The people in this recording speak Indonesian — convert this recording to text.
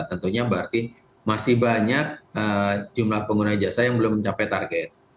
tentunya berarti masih banyak jumlah pengguna jasa yang belum mencapai target